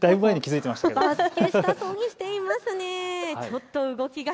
バスケしたそうにしていますね。